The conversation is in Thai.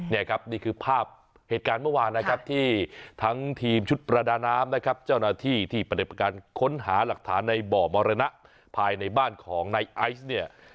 นี่ครับนี่คือภาพเหตุการณ์เมื่อวานนะครับที่ทั้งทีมชุดประดาน้ำนะครับเจ้าหน้าที่ที่ประเด็บประการค้นหาหลักฐานในบ่อมรณะภายในบ้านของนายไอซ์เนี่ย